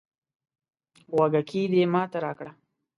غوږيکې دې ماته راکړه